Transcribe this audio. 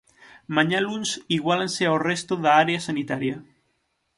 Mañá luns iguálanse ao resto da área sanitaria.